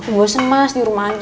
aku bosan meets ninko di rumah aja